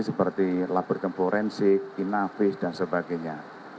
seperti laboratorium forensik inavis dan sebagainya